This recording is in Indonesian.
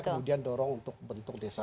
kemudian dorong untuk bentuk desa